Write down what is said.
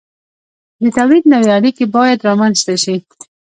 د تولید نوې اړیکې باید رامنځته شي.